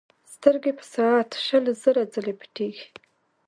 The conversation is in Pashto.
سترګې په ساعت شل زره ځلې پټېږي.